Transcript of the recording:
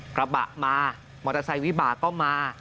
กระบะมามอเตอร์ไซค์วิบากก็มา